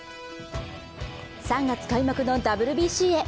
３月開幕のＷＢＣへ。